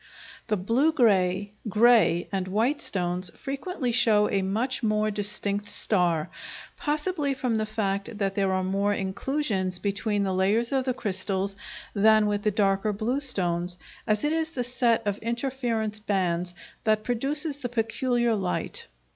The blue gray, gray, and white stones frequently show a much more distinct star, possibly from the fact that there are more inclusions between the layers of the crystals than with the darker blue stones, as it is the set of interference bands that produces the peculiar light.